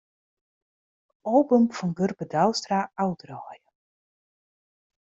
Album fan Gurbe Douwstra ôfdraaie.